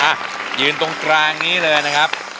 อ่ะยืนตรงกลางนี้เลยนะครับ